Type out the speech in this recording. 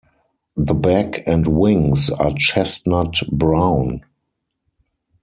The back and wings are chestnut brown.